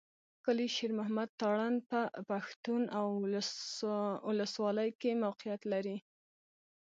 کلي شېر محمد تارڼ په پښتون اولسوالۍ کښې موقعيت لري.